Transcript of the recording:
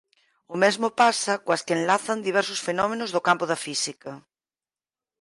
O mesmo pasa coas que enlazan diversos fenómenos do campo da física.